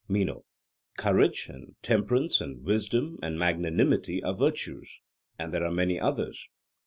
MENO: Courage and temperance and wisdom and magnanimity are virtues; and there are many others.